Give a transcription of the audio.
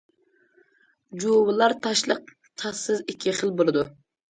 جۇۋىلار تاشلىق، تاشسىز ئىككى خىل بولىدۇ.